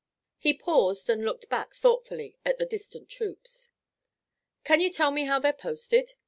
He paused and looked back thoughtfully at the distant Union troops. "Can you tell me how they're posted?"